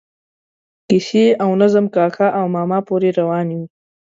د کیسې او نظم کاکا او ماما پورې روانې وي.